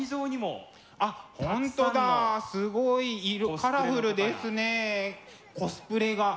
カラフルですねコスプレが。